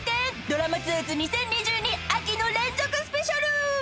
『ドラマツアーズ２０２２秋』の連続スペシャル！］